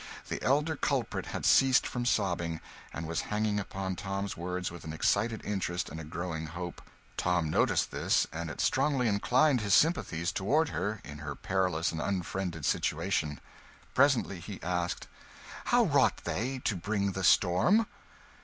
The elder culprit had ceased from sobbing, and was hanging upon Tom's words with an excited interest and a growing hope. Tom noticed this, and it strongly inclined his sympathies toward her in her perilous and unfriended situation. Presently he asked "How wrought they to bring the storm?"